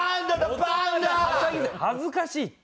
恥ずかしいって。